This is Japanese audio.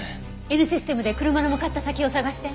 Ｎシステムで車の向かった先を捜して。